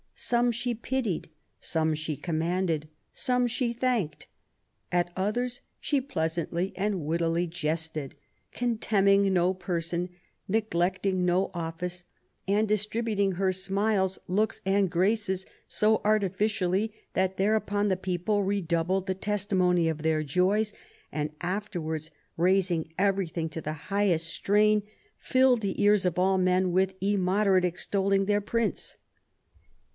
Some she pitied ; some she commended ; some she thanked ; at others she pleasantly and wittily jested, contemning no person, neglecting no office ; and distributing her smiles, looks and graces so artificially that thereupon the people redoubled the testimony of their joys, and afterwards raising every thing to the highest strain, filled the ears of all men with immoderate extolling their prince."